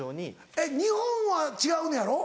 えっ日本は違うのやろ？